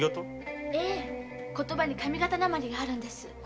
言葉に上方なまりがあるんです。